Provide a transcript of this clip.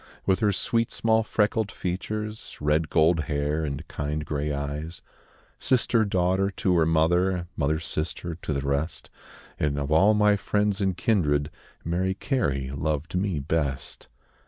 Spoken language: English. With her sweet small freckled features, Red gold hair, and kind grey eyes; Sister, daughter, to her mother, Mother, sister, to the rest And of all my friends and kindred, Mary Carey loved me best.